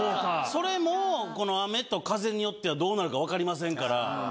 それも、この雨と風によっては、どうなるか分かりませんから。